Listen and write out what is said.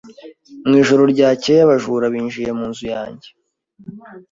Mu ijoro ryakeye, abajura binjiye mu nzu yanjye.